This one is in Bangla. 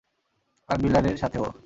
আর বিল্ডারের সাথে ও।